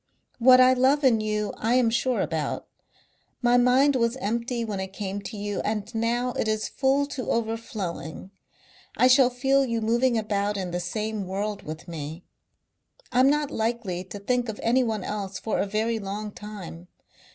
What I love in you I am sure about. My mind was empty when it came to you and now it is full to overflowing. I shall feel you moving about in the same world with me. I'm not likely to think of anyone else for a very long time....